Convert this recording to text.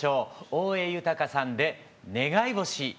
大江裕さんで「願い星」。